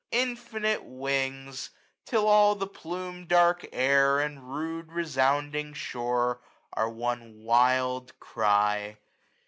Infinite wings! till all the plume dark air. And rude resounding shore, are one wild cry.